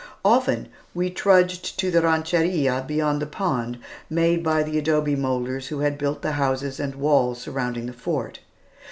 Often, we trudged to the rancheria beyond the pond, made by the adobe moulders who had built the houses and wall surrounding the fort.